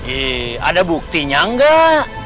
eh ada buktinya enggak